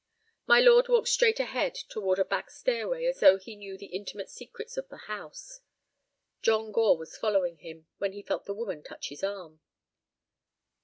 My lord walked straight ahead toward a back stairway as though he knew the intimate secrets of the house. John Gore was following him, when he felt the woman touch his arm.